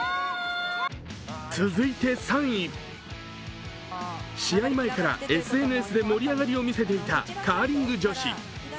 続いて３位、試合前からＳＮＳで盛り上がりを見せていたカーリング女子。